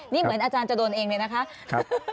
นี่เหมือนอาจารย์จะโดนเองเลยนะคะ